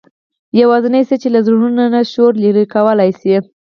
یوازینۍ څه چې له زړونو نه شو لرې کولای.